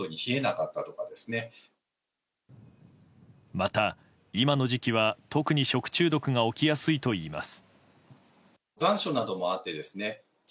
また、今の時期は特に食中毒が起きやすいといいます。